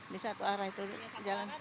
di satu arah itu jalan